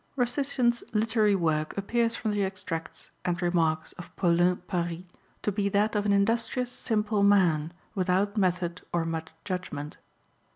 * 40. Rustician's hterary work appears from the extracts and remarks of PauHn Paris to be that of an industrious simple Character of man, witliout metliod or much judgment.